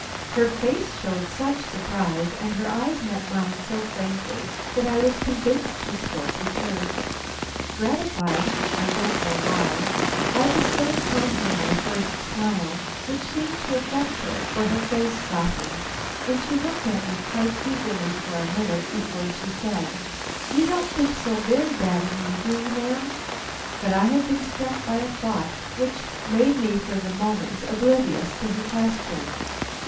Her face showed such surprise, and her eyes met mine so frankly, that I was convinced she spoke the truth. Gratified I don't know why, I bestowed upon her my first smile, which seemed to affect her, for her face softened, and she looked at me quite eagerly for a minute before she said: "You don't think so very bad of me, do you, ma'am?" But I had been struck by a thought which made me for the moment oblivious to her question.